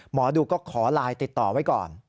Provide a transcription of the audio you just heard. หมอดูก็ขอไลน์ติดต่อไว้ก่อน